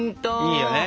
いいよね。